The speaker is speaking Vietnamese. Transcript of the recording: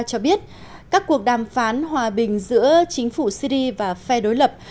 cho biết các cuộc đàm phán hòa bình giữa chính phủ syri và phe đối lập